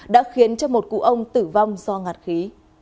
đã khiến cho một cụ ông tử vong do ngạt khí